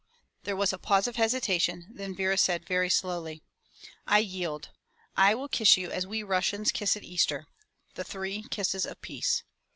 There was a pause of hesitation, then Vera said very slowly: "I yield. I will kiss you as we Russians kiss at Easter, the three kisses of peace."